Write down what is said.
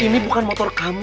turun ini bukan motor kamu